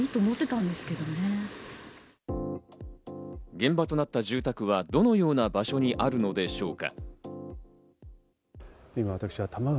現場となった住宅は、どのような場所にあるのでしょうか。